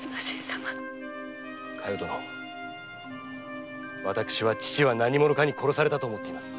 私は父は何者かに殺されたと思っています